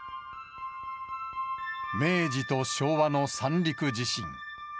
明治と昭和の三陸地震。